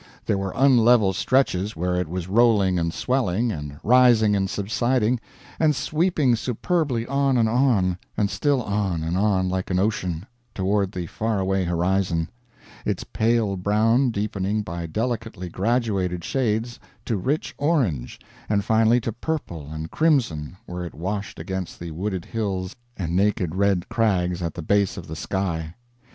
There were unlevel stretches where it was rolling and swelling, and rising and subsiding, and sweeping superbly on and on, and still on and on like an ocean, toward the faraway horizon, its pale brown deepening by delicately graduated shades to rich orange, and finally to purple and crimson where it washed against the wooded hills and naked red crags at the base of the sky.